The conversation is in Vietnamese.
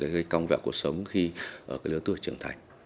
gây công vẹo cuộc sống khi ở cái lứa tuổi trưởng thành